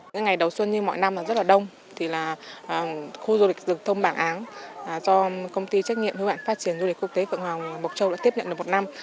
những ngày đầu xuân như mọi năm là rất là đông thì là khu du lịch rừng thông bảng áng do công ty trách nhiệm hữu hạn phát triển du lịch quốc tế phượng hoàng mộc châu đã tiếp nhận được một năm